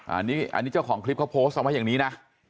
อันนี้เจ้าของคลิปเขาโพสต์เอาไว้อย่างนี้นะ